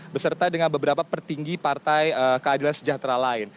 beserta dengan beberapa petinggi partai keadilan sejahtera lain